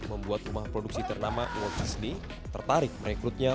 membuat rumah produksi ternama mocasni tertarik merekrutnya